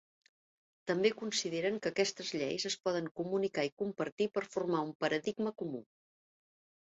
També consideren que aquestes lleis es poden comunicar i compartir per formar un paradigma comú.